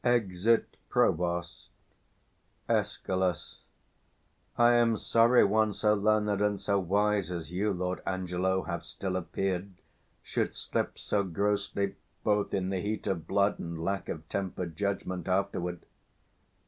[Exit Provost. Escal. I am sorry, one so learned and so wise As you, Lord Angelo, have still appear'd, Should slip so grossly, both in the heat of blood, 470 And lack of temper'd judgment afterward.